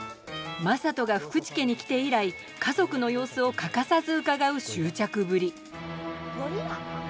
正門が福池家に来て以来家族の様子を欠かさずうかがう執着ぶり